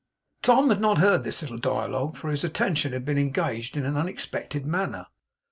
Tom had not heard this little dialogue; for his attention had been engaged in an unexpected manner.